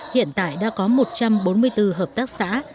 hiện tại đã có một trăm bốn mươi bốn hợp tác xã